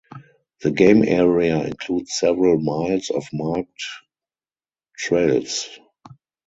The game area includes several miles of marked trails.